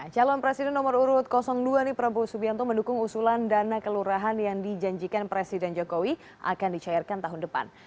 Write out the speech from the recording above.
calon presiden nomor urut dua nih prabowo subianto mendukung usulan dana kelurahan yang dijanjikan presiden jokowi akan dicairkan tahun depan